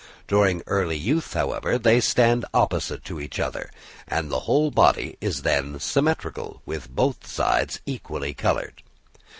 During early youth, however, they stand opposite to each other, and the whole body is then symmetrical, with both sides equally coloured.